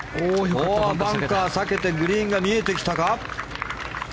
バンカーを避けてグリーンが見えてきたか。